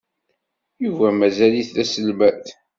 Yuba mazal-it d aselmad.